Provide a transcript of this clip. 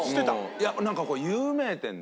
いやなんかここ有名店で。